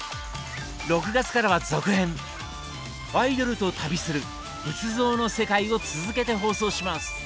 ６月からは続編「アイドルと旅する仏像の世界」を続けて放送します！